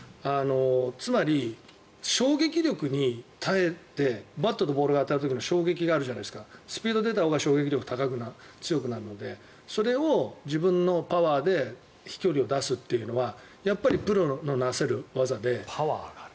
つまり衝撃力に耐えてバットとボールが当たる時の衝撃があるじゃないですかスピードが出たほうが衝撃力は強くなるのでそれを自分のパワーで飛距離を出すというのはやっぱりプロのなせる業で。